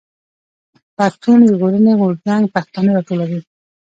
پښتون ژغورني غورځنګ پښتانه راټولوي.